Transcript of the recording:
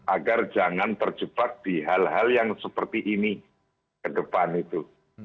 agar jangan terjebak di hal hal yang seperti ini ke depan itu